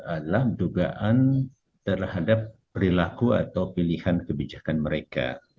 adalah dugaan terhadap perilaku atau pilihan kebijakan mereka